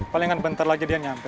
palingan bentar lagi dia nyampe kok